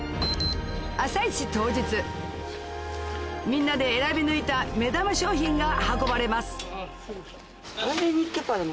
みんなで選び抜いた目玉商品が運ばれます